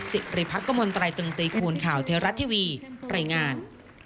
สิริภักษ์กระมวลไตรตึงตีคูณข่าวเทราะทีวีไตรงาน